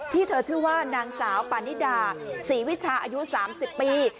ที่เธอชื่อว่านางสาวปานิดาศรีวิชาอายุสามสิบปี